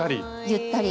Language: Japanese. ゆったり。